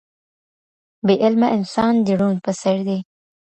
بې علمه انسان د ړوند په څېر دی.